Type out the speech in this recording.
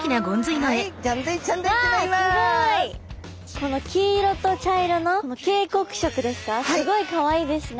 この黄色と茶色の警告色ですかすごいかわいいですね。